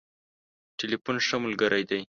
ټليفون ښه ملګری دی.